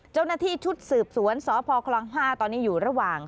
เจ้าหน้าที่ชุดสืบสวนสพคล๕ตอนนี้อยู่ระหว่าง